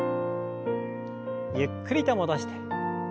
ゆっくりと戻して。